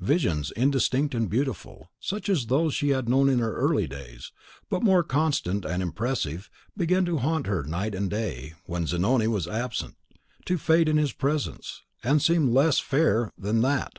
Visions indistinct and beautiful, such as those she had known in her earlier days, but more constant and impressive, began to haunt her night and day when Zanoni was absent, to fade in his presence, and seem less fair than THAT.